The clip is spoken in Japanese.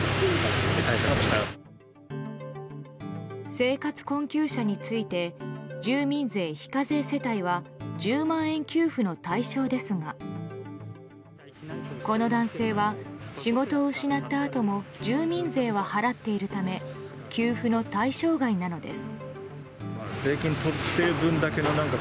生活困窮者について住民税非課税世帯は１０万円給付の対象ですがこの男性は、仕事を失ったあとも住民税は払っているため給付の対象外なのです。